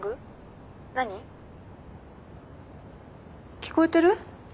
聞こえてる？